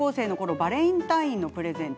バレンタインのプレゼント